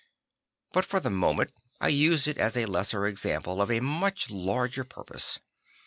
But for the moment I use it as a lesser example for a much larger purpose.